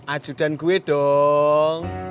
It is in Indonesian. ajudan gue dong